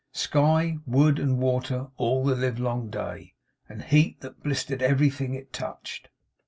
Sky, wood, and water all the livelong day; and heat that blistered everything it touched.